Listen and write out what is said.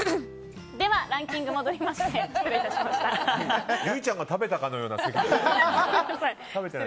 ではランキングに戻りましょう。